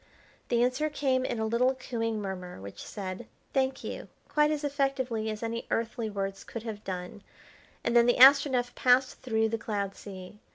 The answer came in a little cooing murmur, which said, "Thank you!" quite as effectively as any earthly words could have done, and then the Astronef passed through the cloud sea.